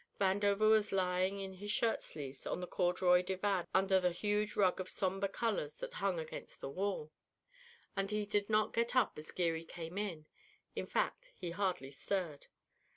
Vandover was lying in his shirt sleeves on the corduroy divan under the huge rug of sombre colours that hung against the wall, and he did not get up as Geary came in; in fact, he hardly stirred.